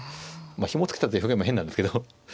ひもを付けたという表現も変なんですけど。